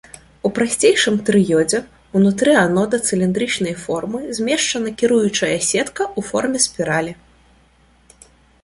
У прасцейшым трыёдзе ўнутры анода цыліндрычнай формы змешчана кіруючая сетка ў форме спіралі.